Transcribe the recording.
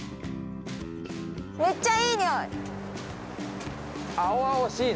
めっちゃいいにおい！